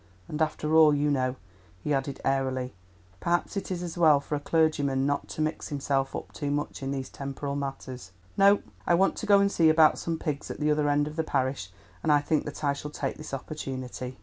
And after all, you know," he added airily, "perhaps it is as well for a clergyman not to mix himself up too much in these temporal matters. No, I want to go and see about some pigs at the other end of the parish, and I think that I shall take this opportunity."